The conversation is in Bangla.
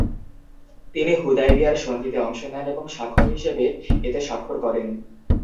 তিনি হুদায়বিয়ার সন্ধিতে অংশ নেন এবং সাক্ষ্য হিসেবে এতে স্বাক্ষর করেন।